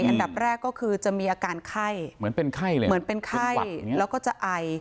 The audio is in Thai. อันดับแรกก็คือจะมีอาการไข้เหมือนเป็นไข้แล้วก็จะไอ